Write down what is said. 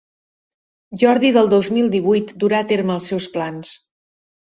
Jordi del dos mil divuit durà a terme els seus plans.